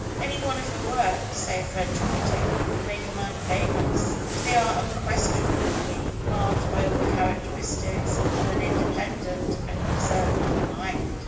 Any one of her works, says a French critic, would make a man famous; and they are unquestionably marked by all the characteristics of an independent and observant mind.